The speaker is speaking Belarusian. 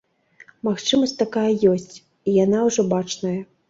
Магчымасць такая ёсць, і яна ўжо бачная.